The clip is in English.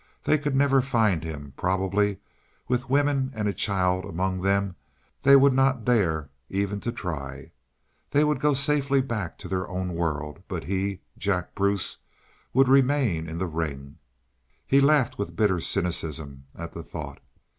They could never find him probably, with women and a child among them they would not dare even to try. They would go safely back to their own world but he Jack Bruce would remain in the ring. He laughed with bitter cynicism at the thought.